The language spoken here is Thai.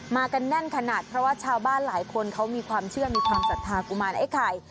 กันแน่นขนาดเพราะว่าชาวบ้านหลายคนเขามีความเชื่อมีความศรัทธากุมารไอ้ไข่